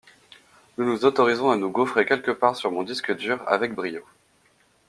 Nous nous autorisons à nous gauffrer quelque part sur mon disque dur avec brio.